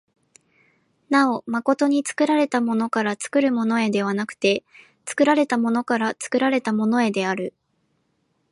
なお真に作られたものから作るものへではなくて、作られたものから作られたものへである。